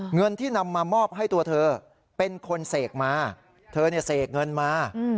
เงินที่นำมามอบให้ตัวเธอเป็นคนเสกมาเธอเนี่ยเสกเงินมา